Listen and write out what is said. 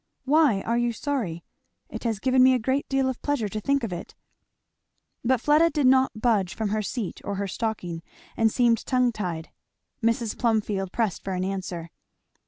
Why are you sorry? It has given me a great deal of pleasure to think of it." But Fleda did not budge from her seat or her stocking and seemed tongue tied. Mrs. Plumfield pressed for an answer.